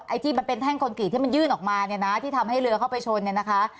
ไอ้ที่มันเป็นแท่งคอนกรีตที่มันยื่นออกมาเนี่ยนะที่ทำให้เรือเข้าไปชนเนี่ยนะคะ